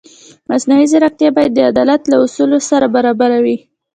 مصنوعي ځیرکتیا باید د عدالت له اصولو سره برابره وي.